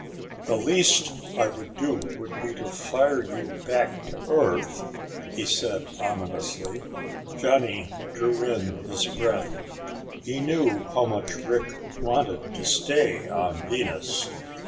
"The least I would do would be to fire you back to Earth," he said ominously. Johnny drew in his breath. He knew how much Rick wanted to stay on Venus.